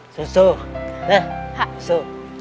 สู้นะสู้